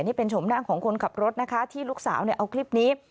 นี่เป็นชมหน้าของคนขับรถนะคะที่ลูกสาวเอาคลิปนี้